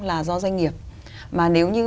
là do doanh nghiệp mà nếu như